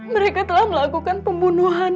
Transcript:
mereka telah melakukan pembunuhan